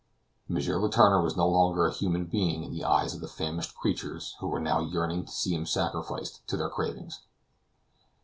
M. Letourneur was no longer a human being in the eyes of the famished creatures who were now yearning to see him sacrificed to their cravings.